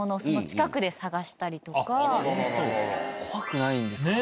怖くないんですかね。